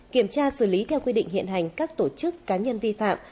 kiểm tra xử lý theo quy định hiện hành các tổ chức cá nhân vi phạm